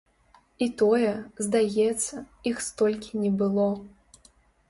І тое, здаецца, іх столькі не было.